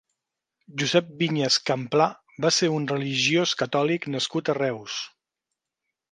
Josep Vinyes Camplà va ser un religiós catòlic nascut a Reus.